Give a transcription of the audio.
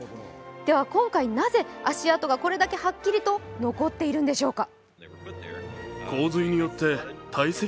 では今回なぜ足跡がこれだけはっきりと残っているんでしょうか。